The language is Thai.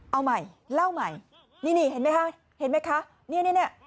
เอาใหม่เล่าใหม่นี่นี่เห็นไหมคะเห็นไหมคะเนี่ย